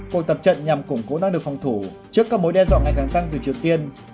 cuộc tập trận nhằm củng cố năng lực phòng thủ trước các mối đe dọa ngày càng tăng từ triều tiên